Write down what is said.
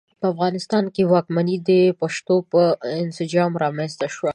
په افغانستان کې واکمنۍ د پښتنو په انسجام رامنځته شوې.